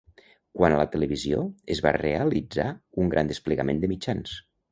Quant a la televisió, es va realitzar un gran desplegament de mitjans.